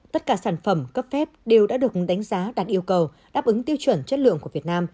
tất cả sản phẩm cấp phép đều đã được đánh giá đạt yêu cầu đáp ứng tiêu chuẩn chất lượng của việt nam